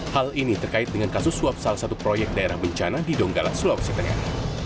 hal ini terkait dengan kasus suap salah satu proyek daerah bencana di donggala sulawesi tengah